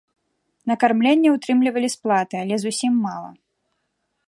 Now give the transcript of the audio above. На кармленне ўтрымлівалі з платы, але зусім мала.